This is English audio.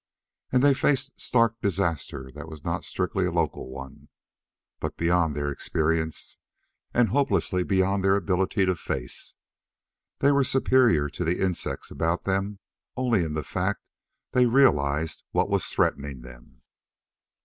And they faced stark disaster that was not strictly a local one, but beyond their experience and hopelessly beyond their ability to face. They were superior to the insects about them only in the fact they realized what was threatening them.